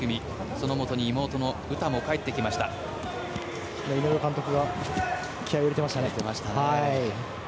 そのもとに妹の阿部詩も井上監督が気合を入れていましたね。